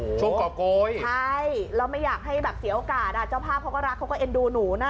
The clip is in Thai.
ช่วงกรอบโกยใช่แล้วไม่อยากให้แบบเสียโอกาสอ่ะเจ้าภาพเขาก็รักเขาก็เอ็นดูหนูนะ